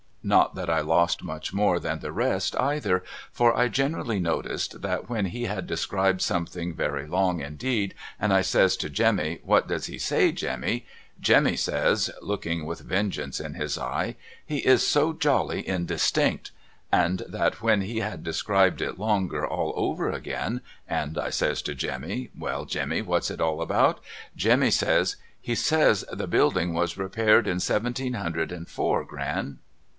Not that I lost much more than the rest either, for I generally noticed that when he had described something very long indeed and I says to Jemmy 'What does he say Jemmy?' Jemmy says looking with vengeance in his eye ' He is so jolly indistinct I ' and that when he had described it longer all over again and I says to Jemmy ' Well Jemmy what's it all about ?' Jemmy says ' He says the building was repaired in seventeen hundred and four, Gran.'